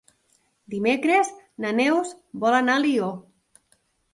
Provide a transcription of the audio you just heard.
Dimecres na Neus vol anar a Alió.